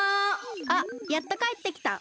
あっやっとかえってきた！